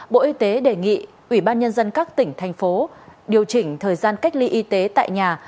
bộ y tế đề nghị ủy ban nhân dân các tỉnh thành phố điều chỉnh thời gian cách ly y tế tại nhà